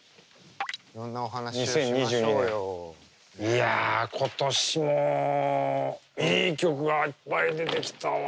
いや今年もいい曲がいっぱい出てきたわ。